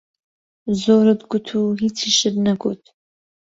زۆرت گوت و هیچیشت نەگوت!